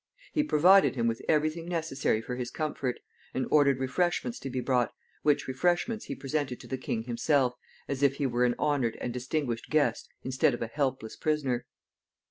He provided him with every thing necessary for his comfort, and ordered refreshments to be brought, which refreshments he presented to the king himself, as if he were an honored and distinguished guest instead of a helpless prisoner.